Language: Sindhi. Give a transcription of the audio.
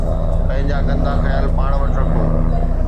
پنهنجا گندا خيال پاڻ وٽ رکو